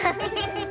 フフフ。